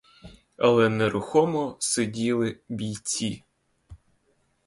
Але нерухомо сиділи бійці.